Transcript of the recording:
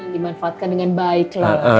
dimanfaatkan dengan baik loh